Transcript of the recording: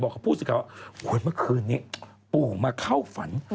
บอกเขาพูดสิเขาว่าโอ๊ยเมื่อคืนนี้ปู่มาเข้าฝัน